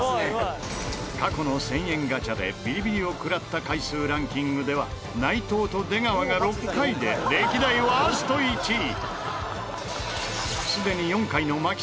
過去の１０００円ガチャでビリビリを食らった回数ランキングでは内藤と出川が６回で歴代ワースト１位。